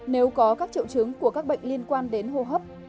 nếu có các triệu chứng của các bệnh liên quan đến hô hấp